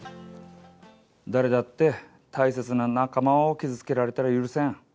誰だって大切な仲間を傷つけられたら許せん。